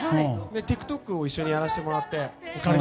ＴｉｋＴｏｋを一緒にやらせてもらって。